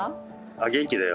元気だよ。